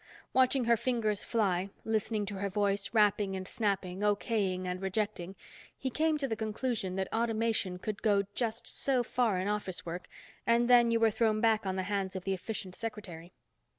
Watching her fingers fly, listening to her voice rapping and snapping, O.K. ing and rejecting, he came to the conclusion that automation could go just so far in office work and then you were thrown back on the hands of the efficient secretary.